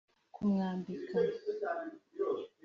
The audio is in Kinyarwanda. kumwambika